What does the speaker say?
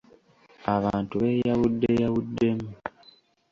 Abantu beeyawuddeyawuddemu.